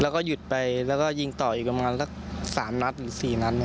แล้วก็หยุดไปแล้วก็ยิงต่ออีกประมาณสัก๓นัดหรือ๔นัด